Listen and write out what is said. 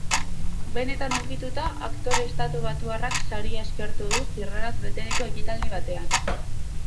Benetan hunkituta, aktore estatubatuarrak saria eskertu du zirraraz beteriko ekitaldi batean.